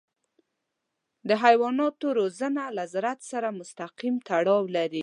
د حیواناتو روزنه له زراعت سره مستقیم تړاو لري.